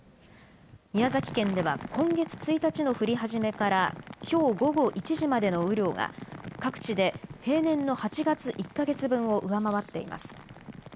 宮崎県では今月１日の降り始めからきょう午後１時までの雨量が各地で平年の８月１か月分を上回っています。